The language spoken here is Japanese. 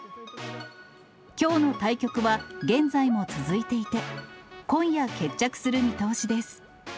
きょうの対局は、現在も続いていて、今夜、決着する見通しです。